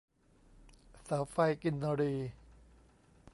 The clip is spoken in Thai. เสาไฟกินรี